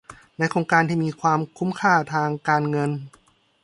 ในโครงการที่มีความคุ้มค่าทางการเงิน